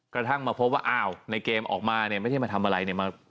กระทั่งมาพบว่าอ้าวในเกมออกมาเนี่ยไม่ใช่มาทำอะไรเนี่ย